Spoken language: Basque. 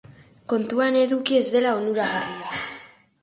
Kontuan eduki ez dela onuragarria.